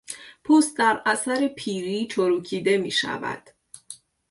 پوست در اثر پیری چروکیده میشود.